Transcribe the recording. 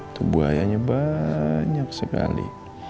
itu buayanya banyak sekali